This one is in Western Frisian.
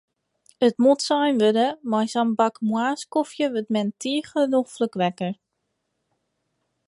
It moat sein wurde, mei sa'n bak moarnskofje wurdt men tige noflik wekker.